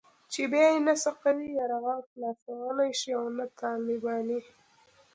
چې بيا يې نه سقوي يرغل خلاصولای شي او نه طالباني.